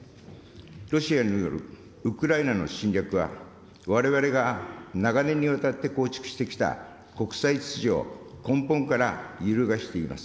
ロシアによるウクライナの侵略は、われわれが長年にわたって構築してきた国際秩序を根本から揺るがしています。